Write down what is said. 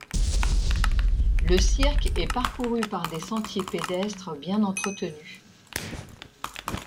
Le cirque est parcouru par des sentiers pédestre bien entretenus.